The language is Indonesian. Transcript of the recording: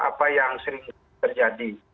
apa yang sering terjadi